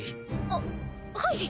あっはい。